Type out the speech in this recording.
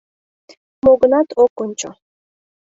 Мо-гынат ок кончо.